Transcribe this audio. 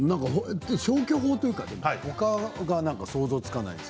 消去法というかほかが想像がつかないです。